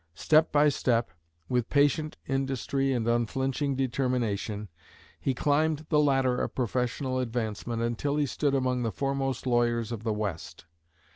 Step by step, with patient industry and unflinching determination, he climbed the ladder of professional advancement until he stood among the foremost lawyers of the West.